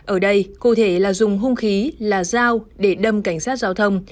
ở đây cụ thể là dùng hung khí là dao để đâm cảnh sát giao thông